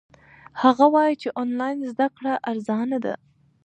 هغه وایي چې آنلاین زده کړه ارزانه ده.